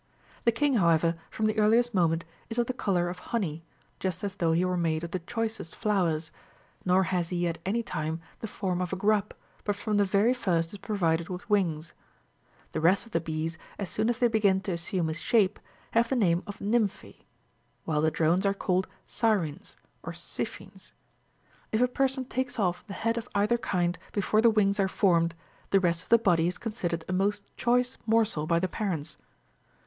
The king, however, from the earliest moment, is of the colour of honey, just as though he were made of the choicest flowers, nor has he at any time the form of a grub, but from the very first is provided with wings.53 The rest of the bees, as soon as they begin to assume a shape, have the name of nympha^ while the drones are called sirenes, or cephenes. If a per son takes off the head of either kind before the wings are formed, the rest of the body is considered a most choice morsel by the parents.